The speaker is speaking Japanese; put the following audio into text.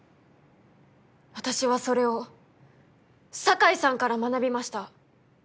私はそれを境さんから学びました。